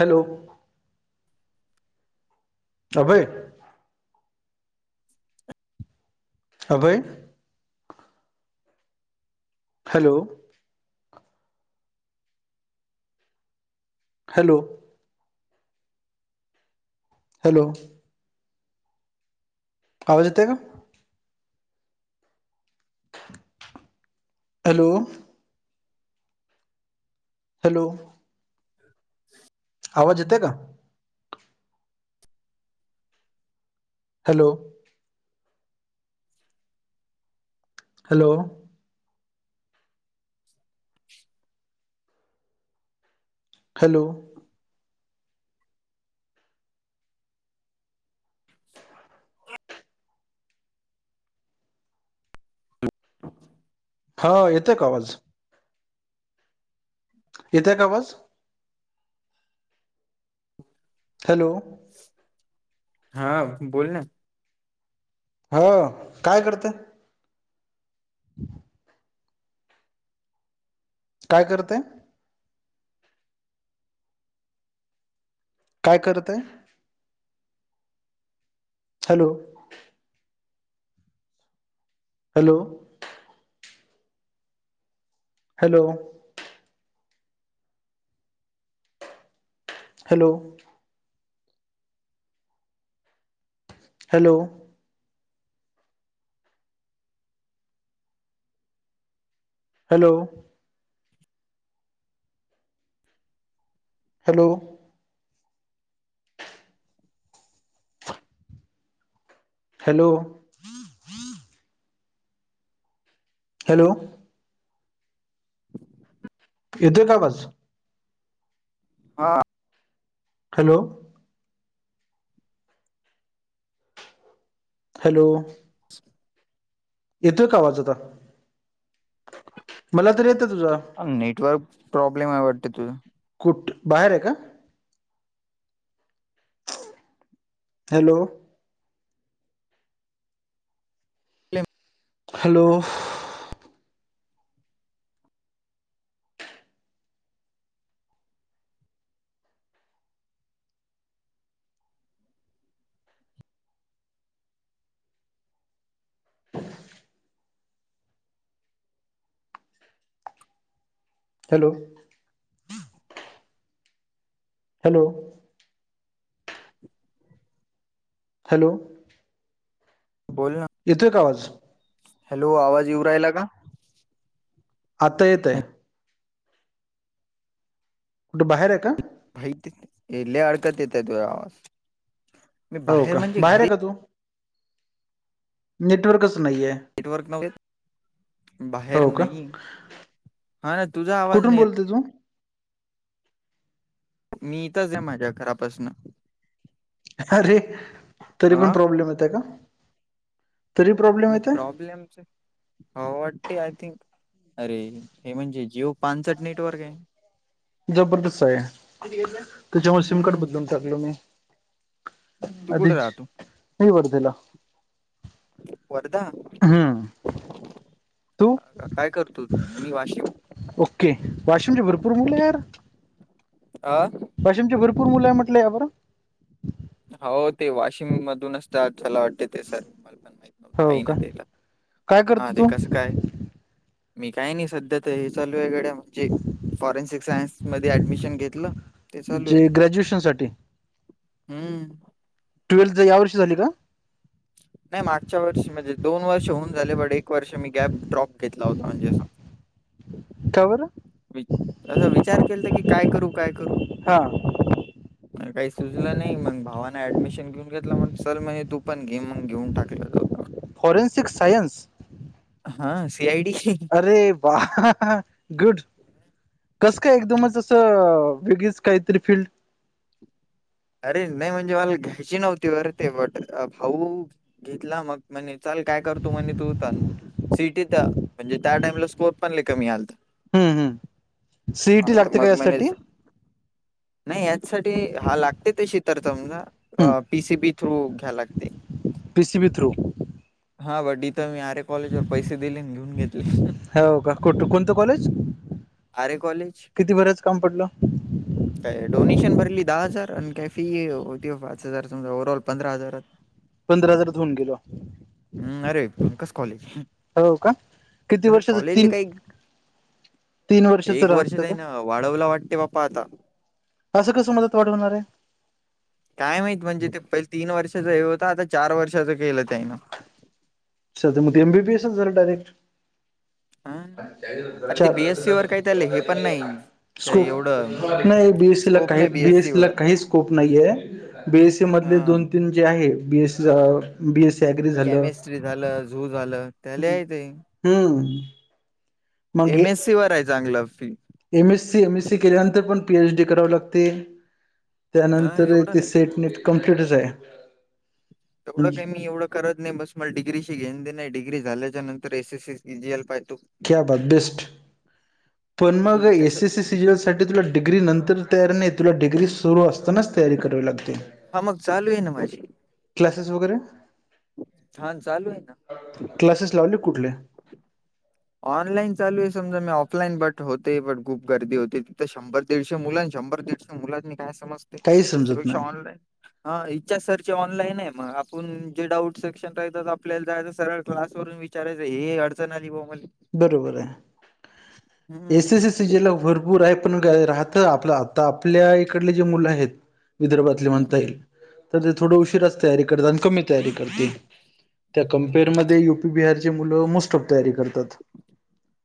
Hello, Abhay Abhay? Hello. Hello. Hello. आवाज येतोय का? हॅलो. हॅलो. ह आवाज येते का? हॅलो. हॅलो. हॅलो. ह [inaudible] क [inaudible] हा, येतेय का आवाज? येते का आवाज? हॅलो. हा, बोल ना? हो, काय करते? हम काय करते? काय करत आहे? Hello. Hello. Hello. Hello. Hello. Hello. Hello. Hello. Hello. येतोय का आवाज? हा. हॅलो. हॅलो? येतोय का आवाज आता? मला तर येतं तुझा? नेटवर्क प्रॉब्लेम आहे वाटतते तू कुठ बाहेर आहे का? Hello. Hello? Hello. Hello. Hello. बोल ना. येतोय का आवाज? हॅलो, आवाज येऊ राहिला का? आता येतय. कुठं बाहेर आहे का? [unintelligible] लई अडकत येतय तुझा आवाज. मी हो बाहेर का? म्हणजे बाहेर घरी आहे का तू? नेटवर्कच नाहीये. नेटवर्क मध्येच. बाहेर हो का नाही, हा ना. तुझा आवाज नाही येतं [unintelligible] मी इथंच आहे माझ्या घरापासन. अरे, तरी पण हा प्रॉब्लेम येतय का? तरी प्रॉब्लेम न येत आहे प्रॉब्लेम [unintelligible] हो वाटते, आय थिंक. अरे, हे म्हणजे जिओ पानचट नेटवर्क आहे. जबरदस्त आहे. त्याच्यामुळे सिमकार्ड हम्म बदलून टाकलो मी. तू कुठे राहतो? आदिज [unintelligible] वर्दीला. वर्धा? हम्म. तू? काय करतो तू? मी वाशिम. ओके. वाशिमचे भरपूर मुलं आहे यार. आ? वाशिमचे भरपूर मुलं आहे म्हटलंय या बरं. हो, ते वाशिम मधूनच स्टार्ट केला वाटते ते. सर मला पण माहि हो का? काय करतो ते तू? कसं काय मी काय नाही सध्या तर, हे चालू आहे गड्या. जे फॉरेन्सिक सायन्स मध्ये ऍडमिशन घेतलं ते चालू आहे. गज्युएशन साठी. हम्म. ट्वेल्थ या वर्षी झाली का? नाही, मागच्या वर्षी म्हणजे दोन वर्ष होऊन झाले, बट एक वर्ष मी गॅप ड्रॉप घेतला होता म्हणजे अस का बरं? अस विचार केलता कि, काय करू? काय करू? हा काही सुचलं नाही, मग भावाने ऍडमिशन घेऊन घेतलं म्हण चल म्हणजे तू पण घे, मग घेऊन टाकलं जाऊ दे फॉरेन्सिक सायन्स? हा, सी आय डी [unintelligible] अरे, वा गुड. हम् कसं काय एकदमच असं वेगळीच काहीतरी फील्ड? अरे नाही म्हणजे मला घ्यायची नव्हती बरं. ते बट भाऊ घेतला, मग म्हणे चाल काय करतो म्हणे? तू चाल. सि ई टी तर म्हणजे त्या टाइमला स्कोर पण लई कमी आलते. हम्म हम्म, सी ई टी तर लागते का मग म्हणे यासाठी? नाही याच्यासाठी, हा लाग हम्म पी सी बी थ्रू घ्या लागते. P C B through? हा, [unintelligible] पैसे दिले आणि घेऊन घेतले हॅलो घाटकोटु कोणतं कॉलेज? आरे कॉलेज. किती बऱ्याच काम पडलं. डोनेशन भरली दहा हजार. कॅफी ओटी पाच हजारात, ओवरऑल पंधरा हजारात. पंधरा हजार होऊन गेलो- हम्म आरे भंकस कॉलेज हो का? किती तसं वर्षाचं कॉलेजले तीन काही तीन वर्षाचं एक वर्ष राहतं का त्यायन वाढवला वाटते बाप्पा आता. कसं कसं मुदत वाढवणार आहे? काय माहीत म्हणजे ते पहि तीन वर्षाच हे होत आता चार वर्षाचं केलं त्यायन. तर मग एमबीबीएसच झालं डायरेक्ट हा [unintelligible] अरे ते बीएससी वर काही त्याले हे पण नाही काही एवढं स्कोप नाही. बीएससी ला स्कोप काही नाही बीएससी ला वर काही स्कोप नाहीये. बीएससी मधले हा दोन तीन जे आहे, बीएससी बीएससी ॲग्री झालं- झाल, झु झालं. त्याले आहे ते हम्म. मग एम एस सी वर आहे चांगलं फिल्- M S C! M S C केल्यानंतर पण पी एच डी करावी लागते. हा त्यानंतर एवढं ते नाही सेट नेट कम्प्लीटच आहे. तेवढं म्हणजे काही मी एवढं- करत नाही. बस मला डिग्रीशी घेन देन नाही. डिग्री झाल्याच्या नंतर एस एससी, सिजीएल पाहतो. क्या बात! बेस्ट. पण मग हम्म, कसं एससीसी सिजीएलसाठी- तुला डिग्री नंतर तयारी नाही, तुला डिग्री सुरू असतानाच तयारी करावी लागते. हा मग चालू आहे ना माझी. क्लासेस वगैरे. हा चालू आहे ना. क्लासेस लावले कुठले? ऑनलाईन चालू आहे समजा मी ऑफलाईन बट होते बट खूप गर्दी होते तिथं शंभर दीडशे मुलां शंभर दीड- मुलांनी काय समजते? काही समजत त्याच्यापेक्षा नाही ऑनलाईन- हा इच्छा सरचे ऑनलाईन आहे मग आपण जे डाउट सेक्शन राहत्यात आपल्याला जायला सरळ क्लासवरू-. विचारायच हे अडचण आली भाऊ मले. बरोबर आहे. हं, एसीसी- कि ज्याला भरपूर आहे पण घ राहत आपल हप्ता आता आपल्या इकडले जे मुलं आहेत - विदर्भातले हं. म्हणता येईल तर ते थोड उशीराच तयारी करतात आणि कमी तयारी करतील. त्यात - कम्पेअरमध्ये यु पी बिहारचे मुलं मोस्ट ऑफ तयारी करतात.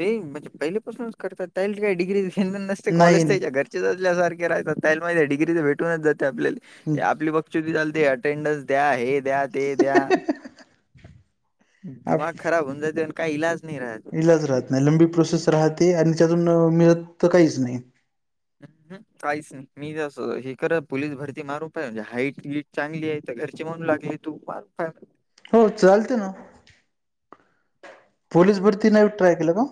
ते म्हणजे पहिलेपासूनच करतात त्यांना काही डिग्रीच घेन देन नसते नाही कॉलेज त्यांच्या घर- च्यासारखे राहतात त्यांना माहिती आहे डिग्री तर भेटूनच जाते आपल्याला नाही आपली ब- चालते अटेंडन्स द्या, हे द्या, ते द्या. दिमाग खराब होऊन जाते पण काही इलाज नाही राहत. इलाज राहत नाही. लंबी प्रोसेस राहते आणि त्यातून मिळत तर काहीच नाही. [inaudible] काहीच नाही मी ज असं हे कर पोलीस भरती मारून पाहिल हाईट बीईट चांगली आहे तर घरची म्हणू लागले. तू पास कर. हो चालते ना, पोलीस भरती नाय ट्राय केलं का?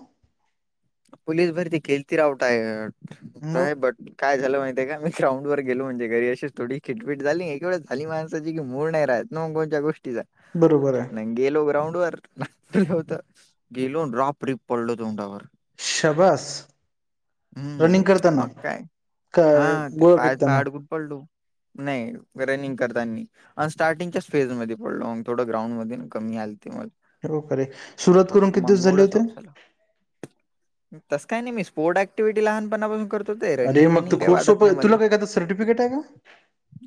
पोलीस भरती केलती राव टायड, मग ट्राय बट काय झालं माहितीय का मी ग्राउंड वर गेलो म्हणजे घरी अशीच थोडी खिटफीट झाली एक वेळ झाली माणसाची की मूळ नाही राहत. नो कोणच्या गोष्टीचा. बरोबर हाय. नाही गेलो ग्राउंड वर, [unintelligible] होत, गेलो रॉप रिप पडलो तोंडावर. शबास. हं, रनिंग करताना, मग काय का हां, ते गोळा पाय पाय फेकताना? अडकून पडलो, नाही रनिंग करतानी. आणि स्टार्टिंगच्याच फेज मध्ये पडलो अन थोडं ग्राउंडमध्ये कमी आलती म. खरो खर ये, सुरुवात करून किती दिवस झाले होते? तस काय नाही मी स्पोर्ट ऍक्टिव्हटी लहानपणापासून कर अरे मग त खूप सोपं तुला काय का सर्टिफिकेट आहे का?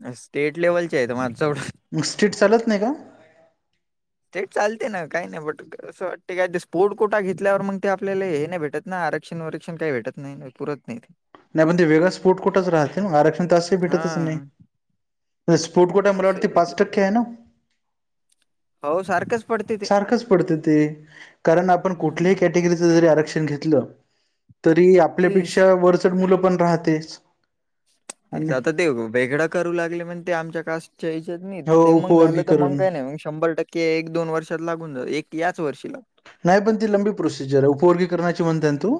अन स्टेट लेव्हलचे आहेत माझं सोडा. मग स्ट्रीट चालत नाही का? ते चालते ना काही नाही बट असं वाटतं का ते स्पोर्ट कोटा घेतल्यावर मग ते आपल्याला हे नाही भेटत. ना आरक्षण वरक्षण काय भेटत नाही पुरत नाहीत. नाही पण ते वेगळा स्फोट कुठच राहते म आरक्षण तसही भेटतच नाही. हां त स्पोर्ट कोट्या मला तसंही वाटते पाच भेटत नाही. टक्के आहे ना? हो सारखंच पडते ते. सारखच पडत ते, कारण आपण कुठल्या हम्म ही खे कॅटेगरीच जरी आरक्षण घेतलं, तरी तेच. आपल्यापेक्षा वरचड मुलं पण राहतेच. तेच आणि आता ते वेगडं करू लागले म्हण ते आमच्या कास च्या हेच्यात नाही हो ते मग झालं तर मग उपवर्गीकरण काही नाही मग शंभर टक्के एक दोन वर्षात लागून जा एक याच वर्षी ला नाही पण ती लंबी प्रोसिजर आहे उपवर्गीकरणाची म्हणतेन तु?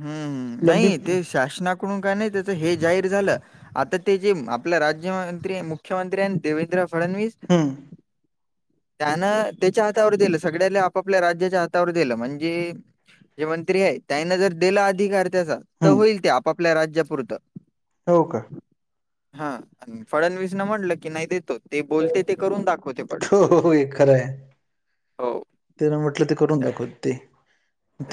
हम्म नाही ते शासनाकडून काय नाही त्याच हे जाहीर झालं. आता ते जे आपल राज्यमंत्री मुख्यमंत्री आहे न देवेंद्र फडणवीस हम. त्यानं त्याच्या हातावर दिलं सगळ्याला आपापल्या राज्याच्या हातावर दिलं म्हणजे जे मंत्री आहे त्यांना जर दिला अधिकार त्याचा, तव हम्म होईल ते आपापल्या राज्यापुरत. हो का? हा, आणि फडणवीस न म्हटलं की नाही देतो ते बोलते ते करून दाखवते पट. हो हो हे खरं आहे. हो. तेन म्हटलं ते करून त्यात दाखवत ते,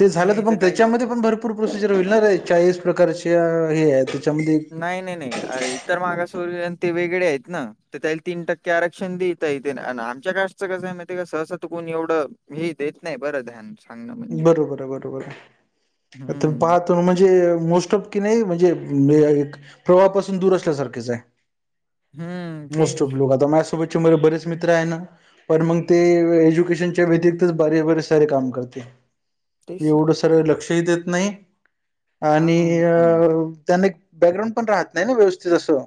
ते मी झालं तर यायचं पण काय त्याच्यामध्ये बाप्पा. पण भरपूर प्रोसिजर होईल ना रे चाळीस प्रकारच्या हे त्याच्यामध्ये नाही नाही अरे इतर मागासवर्गीय ते वेगळे आहेत ना तर त्याला तीन टक्के आरक्षण दि तई देना अन आमच्या कास्टच कसं आहे माहिये का सहसा त कोणी एवढं हे देत नाही बरं ध्यान. सांगणं म्हणजे. बरोबर आहे बरोबर आहे, तुम्ही हं, पाहत त म्हणजे मोस्ट ऑफ की नाही म्हणजे मे एक प्रवाहपासून दूर असल्यासारखेच आहे, हं. मोस्ट तेच, ऑफ लोक आता माया सोबत चे माझे बरेच मित्र आहे ना? पण मग ते एज्युकेशनच्या व्यतिरिक्तच बऱ्या बरे सारे काम करते. तेच ना. एवढ सर्व लक्षही देत नाही, आणि हां, अ हं. त्याने बॅकग्राऊं पण राहत नाही ना व्यवस्थित असं.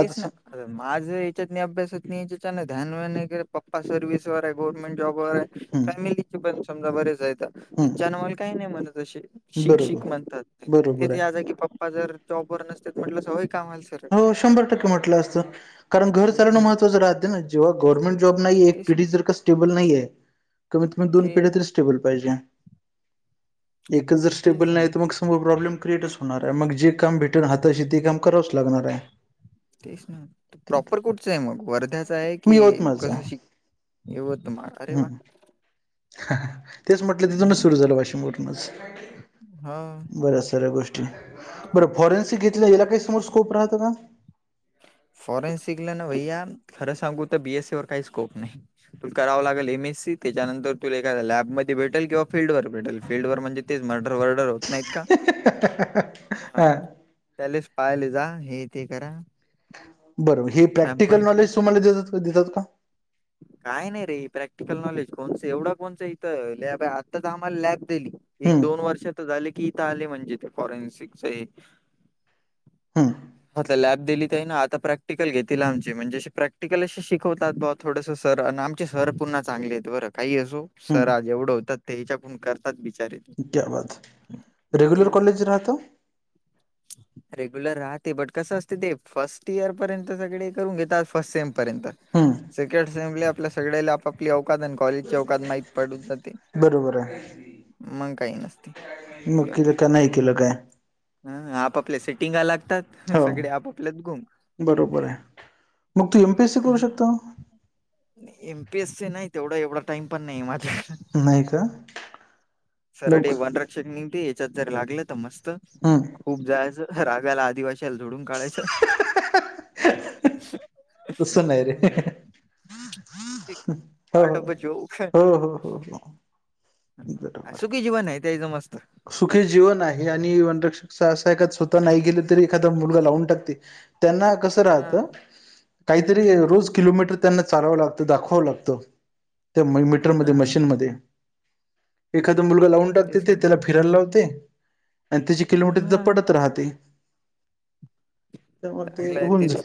आता ना. सम- माझं याच्यात नाही अभ्यासात नाही ध्यान वान नाही पप्पा सर्विस वर आहे गव्हर्नमेंट जॉबवर आहे. हम्म फॅमिलीचे पण समजा बरेच येत हम्म तेच्यान काही नाही म्हणत अशे शिक बरोबर शिक म्हणतात बरोबर तेच आहे या जागी पप्पा जर जॉबवर नसते म्हटलं होईल का आम्हाला सर हो, शंभर टक्के म्हटल असत कारण घर हं, चालवणं हं. महत्वाचं राहते ना. जेव्हा गव्हर्नमेंट जॉब नाहीये एक तेच ना. पिढी जर का स्टेबल नाहीये. कमीत कमी दोन पिढ्या तरी तेच स्टेबल पाहिजे. एकच जर तेच स्टेबल आहे नाही ना, तर मग सेम प्रॉब्लेम क्रिएटच होणार ये मग जे काम भेटेल हाताशी ते काम करावच लागणार ये. तेच ना प्रॉपर कुटचं ये मग वर्ध्याचा आहे मी की यवतमाळचा कसं आहे. शिक यवतमाळ, अरे वा! हम्म तेच म्हटलं हा तिथूनच सुरु झालं वाशिमरूनच हा बऱ्याचश्या गोष्ट ष्टी बरं फॉरेन्सिक घेतल्या याला काही समोर स्कोप राहतो का फॉरेनसिकला ना भैया खरं सांगू तर बीएससी वर काही स्कोप नाही. तुला करावं लागल एम ए सी त्याच्यानंतर तुला एखाद्या लॅबमध्ये भेटल किंवा फील्डवर भेटल फील्डवर म्हणजे तेच मर्डर वर्डर होत नाहीत का हा त्यालेच पायले जा हे ते करा. बरोबर हे प्रॅक्टिकल सॅम्पल नॉलेज कलेक्ट कर. तुम्हाला देतात देतात का? काय नाही रे प्रॅक्टिकल नॉलेज कोणस एवढ कोणस इथं लॅब आहे आत्ता तर आम्हाला लॅब दिली. एक हम्म दोन वर्ष तर झाले, की इथं आले म्हणजे ते फॉरेन्सिकच हे हम्म म्हटलं लॅब दिली ती यान आता प्रॅक्टिकल घेतील आमचे म्हणजे अशे प्रॅक्टिकल अशे शिकवतात बॉ थोडस सर अन आमचे सर पुन्हा चांगले येत बरं काही असो. हम्म सर आज एवढं होतात ते हिच्याकून करतात बिचारे ते. तेव्हाच रेग्युलर हां कॉलेज राहतो? रेग्युलर राहते बट कसं असते ते फर्स्ट इयर पर्यंत सगळे करून घेतात फर्स्ट सेम पर्यंत हम्म सेकंड सेमला आपल्या सगळ्याला आपापली अवकात कॉलेजची अवकात माहीत पडून जाते, बरोबर आहे मग काही नसते. मग केलं काय नाही केलं काय? हा आपापल्या सेटिंग आला तर हो बरोबर आहे मग तू एम पी एस सी करू शकतो. एम पी ए सी नाही तेवढा एवढा टाइम पण नाहीये माझ्याकड नाही का? सरडी लवक वनरक्षक निमती याच्यात जर लागलं तर मस्त हम्म खूप जायचं रागाला आदिवासीला झोडून काढायचं. तसं नाही हम्म रे एक हो पार्ट हो ऑफ अ जोक हो हो हो. बरोबर सुखी जीवन आहे ते ह्याच मस्त सुखी जीवन आहे आणि वनरक्षकच असये एखाद स्वतः नाही गेलं तरी एखादा मुलगा लावून टाकते. त्यांना कसं हा राहतं? काहीतरी रोज किलोमीटर त्यांना चालावं लागतं, दाखवावं लागतं त्या मीटर हा मध्ये, मशीन मध्ये, एखादा मुलगा लावून टाकतात तेच ना ते फिराय लावते. आणि तिची किलोमीटर तिथं हा पडत राहते. त्यामुळे ते चांगलं आहे होऊन तेच. जा